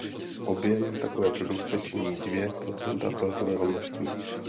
Objem takové produkce činí dvě procenta celkového množství.